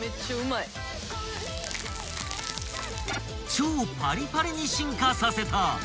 ［超パリパリに進化させた］